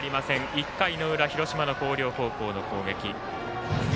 １回の裏、広島の広陵高校の攻撃。